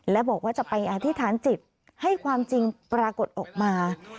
และบอกว่าจะไปอธิษฐานจิตให้ความจริงปรากฏออกมา